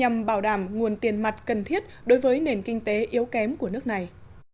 nhằm bảo đảm nguồn tiền mặt cần thiết đối với nền kinh tế yếu kém của nước này